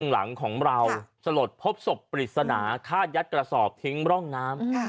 หลังของเราสลดพบศพปริศนาฆ่ายัดกระสอบทิ้งร่องน้ำ